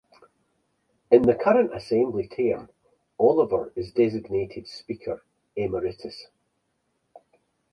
In the current Assembly term, Oliver is designated Speaker Emeritus.